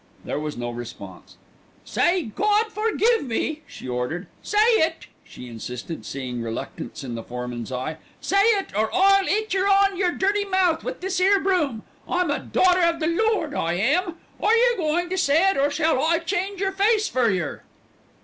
There was no response. "Say, 'God forgive me,'" she ordered. "Say it," she insisted, seeing reluctance in the foreman's eye. "Say it, or I'll 'it yer on yer dirty mouth with this 'ere broom. I'm a daughter of the Lord, I am. Are yer goin' to say it or shall I change yer face for yer?"